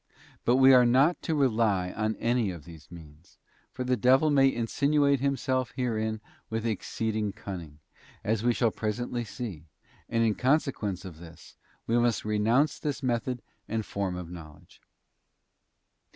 But we are not to rely on any of these means, for the devil may insinuate himself herein with exceeding cunning, as we shall presently see, and in consequence of this, we must renounce this method and form of knowledge.